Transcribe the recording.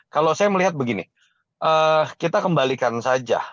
kalau saya melihat begini kita kembalikan saja